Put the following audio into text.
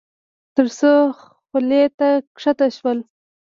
تر څو خولې ته کښته شول.